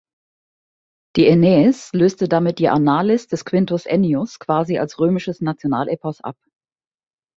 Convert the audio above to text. Die "Aeneis" löste damit die "Annales" des Quintus Ennius quasi als römisches Nationalepos ab.